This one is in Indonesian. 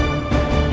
masih ada yang nunggu